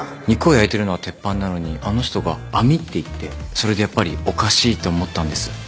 肉を焼いてるのは鉄板なのにあの人が網って言ってそれでやっぱりおかしいって思ったんです。